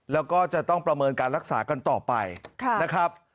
แล้วก็จะต้องประเมินการรักษากันต่อไปนะครับ